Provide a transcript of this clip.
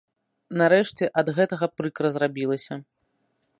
Нарэшце ад гэтага прыкра зрабілася.